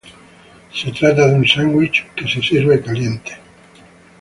Se trata de un sándwich que se sirve caliente.